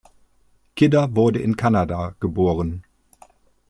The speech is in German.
Kidder wurde in Kanada geboren.